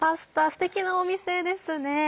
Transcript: すてきなお店ですね。